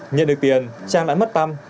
nhận được tiền trang đã mất tăm